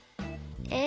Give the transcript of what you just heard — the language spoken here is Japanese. え